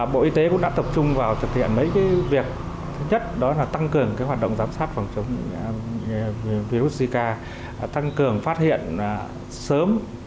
bộ y tế cũng đã tập trung vào thực hiện mấy việc thứ nhất đó là tăng cường hoạt động giám sát phòng chống virus zika tăng cường phát hiện sớm